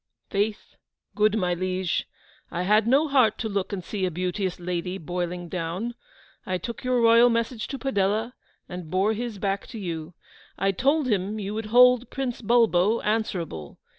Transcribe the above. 'Faith, good my liege, I had no heart to look and see a beauteous lady boiling down; I took your royal message to Padella, and bore his back to you. I told him you would hold Prince Bulbo answerable.